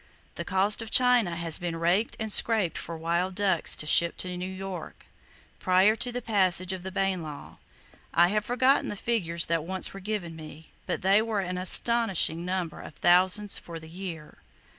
The coast of China has been raked and scraped for wild ducks to ship to New York,—prior to the passage of the Bayne law! I have forgotten the figures that once were given me, but they were an astonishing number of thousands for the year.